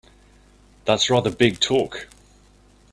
That's rather big talk!